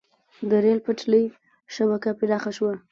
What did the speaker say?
د ریل پټلۍ شبکه پراخه شوه.